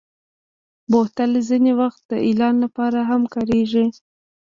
بوتل ځینې وخت د اعلان لپاره هم کارېږي.